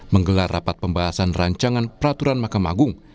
menggelar rapat pembahasan rancangan peraturan mahkamah agung